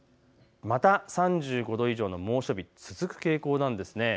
また３５度以上の猛暑日が続く傾向です。